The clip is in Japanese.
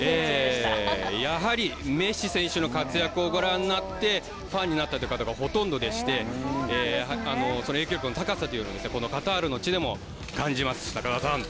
やはりメッシ選手の活躍をご覧になってファンになったという方がほとんどでして、その影響力の高さをこのカタールの地でも感じます、中澤さん。